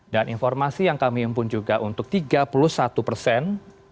dan informasi yang kami himpun juga untuk tiga puluh satu persen